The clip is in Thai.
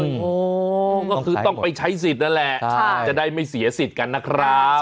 โอ้โหก็คือต้องไปใช้สิทธิ์นั่นแหละจะได้ไม่เสียสิทธิ์กันนะครับ